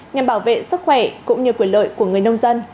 nhằm bảo vệ sức khỏe cũng như quyền lợi của người nông dân